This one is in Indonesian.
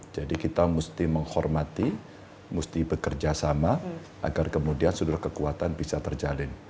jadi kita mesti menghormati mesti bekerjasama agar kemudian sudut kekuatan bisa terjalin